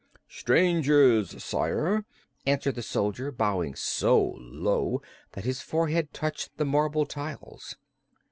"Strangers, Sire," answered the soldier, bowing so low that his forehead touched the marble tiles.